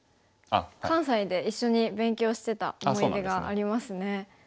関西で一緒に勉強してた思い出がありますね。